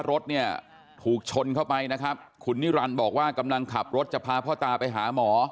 รถเนี่ยถูกชนเข้าไปนะครับคุณนิรันดิ์บอกว่ากำลังขับรถจะพาพ่อตาไปหาหมอ